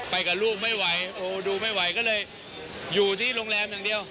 ไปกับลูกไม่ไหวโอ้ดูไม่ไหวก็เลยอยู่ที่โรงแรมอย่างเดียว